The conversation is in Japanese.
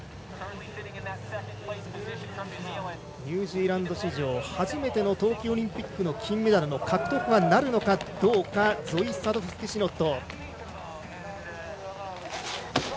ニュージーランド史上初めての冬季オリンピックの金メダルの獲得なるかどうかゾイ・サドフスキシノット。